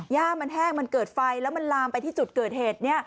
ย่ามันแห้งมันเกิดไฟแล้วมันลามไปที่จุดเกิดเหตุ